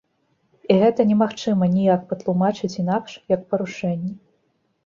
І гэта не магчыма ніяк патлумачыць інакш, як парушэнне.